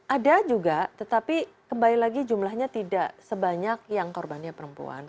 ada juga tetapi kembali lagi jumlahnya tidak sebanyak yang korbannya perempuan